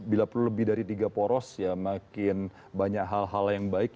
bila perlu lebih dari tiga poros ya makin banyak hal hal yang baik